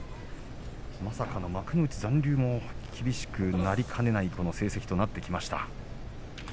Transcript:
まさかの幕内残留も厳しくなりかねない成績となってきました。